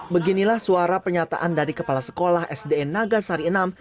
beginilah suara penyataan dari kepala sekolah sdn naga sari enam